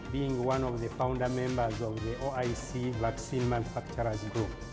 menjadi salah satu pemimpin dari grup vaksin manufaktur oic